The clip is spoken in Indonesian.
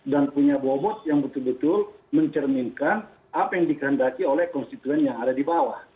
dan punya bobot yang betul betul mencerminkan apa yang dikandalki oleh konstituen yang ada di bawah